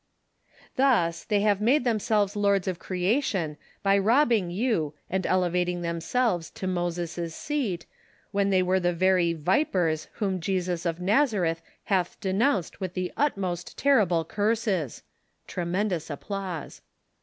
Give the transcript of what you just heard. "Thus, they have made themselves lords of creation by robbing you and elevating themselves to Closes' seat, when they were the very vipers wliom Jesus of Nazareth hath de nounced with the most terrible curses ! [Tremendous ap plause.